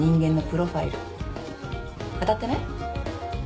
当たってない？